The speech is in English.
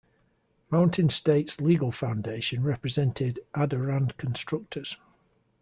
Mountain States Legal Foundation represented Adarand Constructors.